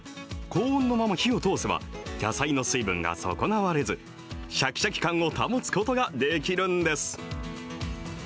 高温のまま火を通せば、野菜の水分が損なわれず、しゃきしゃき感を保つことができるんです。